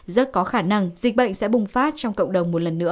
rất có khả năng dịch bệnh sẽ bùng phát trong cộng đồng một lần nữa